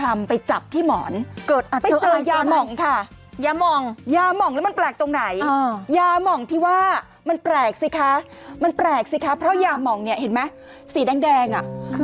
ไม่ใช่ค่ะเปิดแอร์ปกติร้อนวูบวาบและยังไงต่อก